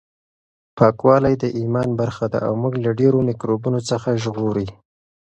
پاکوالی د ایمان برخه ده او موږ له ډېرو میکروبونو څخه ژغوري.